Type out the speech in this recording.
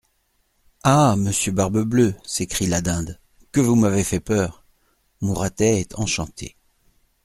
Ah ! monsieur Barbe Bleue, s'écrie la Dinde, que vous m'avez fait peur ! Mouratet est enchanté.